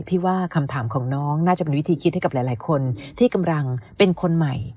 พี่ว่าคำถามของน้องน่าจะเป็นวิธีคิดให้กับหลายคนที่กำลังเป็นคนใหม่